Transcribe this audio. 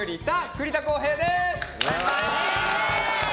栗田航兵です！